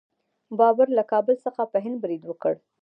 بابر له کابل څخه په هند برید وکړ.